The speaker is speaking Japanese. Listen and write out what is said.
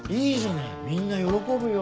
みんな喜ぶよ。